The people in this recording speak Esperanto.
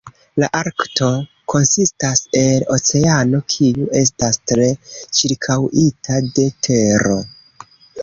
La Arkto konsistas el oceano kiu estas tre ĉirkaŭita de tero.